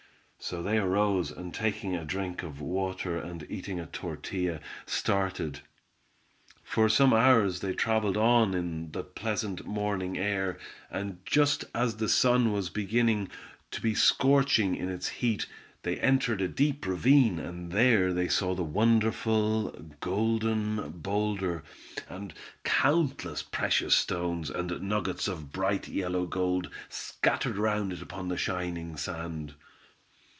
So they arose, and taking a drink of water and eating a tortilla, started. For some hours they traveled on in the pleasant morning air, and just as the sun was beginning to be scorching in its heat they entered a deep ravine, and there they saw the wonderful Golden Boulder, and countless precious stones, and nuggets of bright yellow gold scattered round it upon the shining sand.